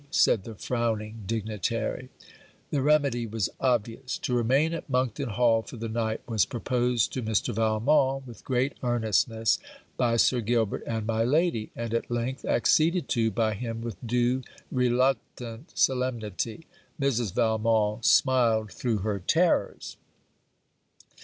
said the frowning dignitary. The remedy was obvious. To remain at Monkton Hall for the night was proposed to Mr. Valmont with great earnestness by Sir Gilbert and my lady; and, at length, acceded to by him with due reluctant solemnity. Mrs. Valmont smiled through her terrors.